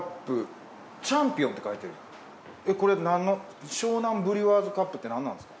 これ何の湘南ブリュワーズカップって何なんですか？